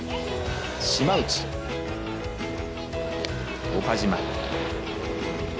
島内、岡島。